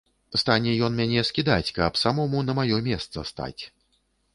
Стане ён мяне скідаць, каб самому на маё месца стаць.